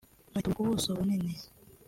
bayitubura ku buso bunini